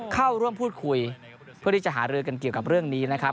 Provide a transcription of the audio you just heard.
เข้าร่วมพูดคุยเพื่อที่จะหารือกันเกี่ยวกับเรื่องนี้นะครับ